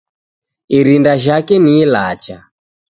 Irinda jhake ni ilacha.